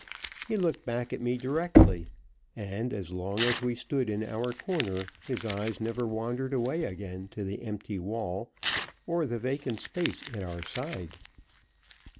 He looked back at me directly, and, as long as we stood in our corner, his eyes never wandered away again to the empty wall or the vacant space at our side.